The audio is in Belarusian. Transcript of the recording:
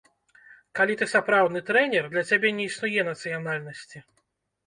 Калі ты сапраўдны трэнер, для цябе не існуе нацыянальнасці.